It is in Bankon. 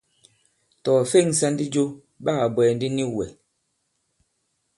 Tɔ̀ ɔ̀ fe᷇ŋsā ndi jo, ɓa kà bwɛ̀ɛ̀ ndi nik wɛ̀.